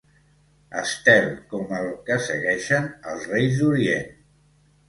Estel com el que segueixen els Reis d'Orient.